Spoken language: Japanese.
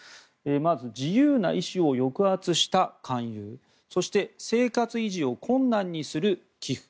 まず、自由な意思を抑圧した勧誘そして生活維持を困難にする寄付